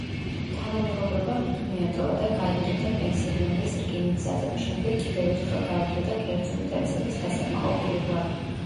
თანამეგობრობამ იგი მიატოვა და გაიყიდა პენსილვანიის რკინიგზაზე, შემდეგ კიდევ ერთხელ გაიყიდა კერძო ინტერესების დასაკმაყოფილებლად.